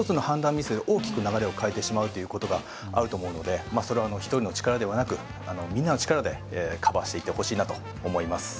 ミスで大きく流れを変えてしまうことがあるのでそれは１人の力ではなくみんなの力でカバーしていってほしいなと思います。